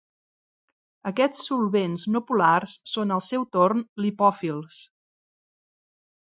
Aquests solvents no polars són al seu torn lipòfils.